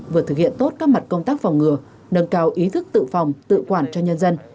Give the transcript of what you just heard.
vừa thực hiện tốt các mặt công tác phòng ngừa nâng cao ý thức tự phòng tự quản cho nhân dân